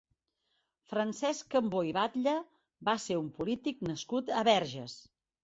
Francesc Cambó i Batlle va ser un polític nascut a Verges.